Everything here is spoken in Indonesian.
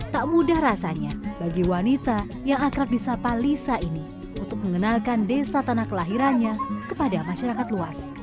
tak mudah rasanya bagi wanita yang akrab di sapa lisa ini untuk mengenalkan desa tanah kelahirannya kepada masyarakat luas